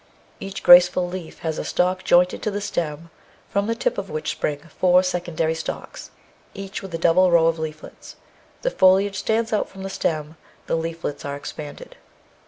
Each graceful leaf has a stalk jointed to the stem, from the tip of which spring four sec ondary stalks, each with a double row of leaflets; the foliage stands out from the stem, the leaflets are expanded.